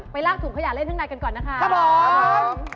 ลากถุงขยะเล่นข้างในกันก่อนนะคะครับผม